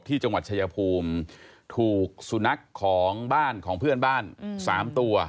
ที่จังหวัดชายภูมิถูกสุนัขของบ้านของเพื่อนบ้าน๓ตัว